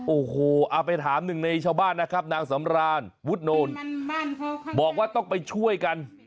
โอ้โหเอาไปถามหนึ่งในชาวบ้านนะครับนางสำรานวุฒโนนบอกว่าต้องไปช่วยกัน